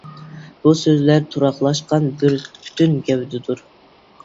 بۇ سۆزلەر تۇراقلاشقان بىر پۈتۈن گەۋدىدۇر.